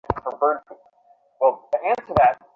এটা খুব সুন্দর মুকেশ।